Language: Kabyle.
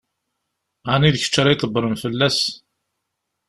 Ɛni d kečč ara ydebbṛen fell-as?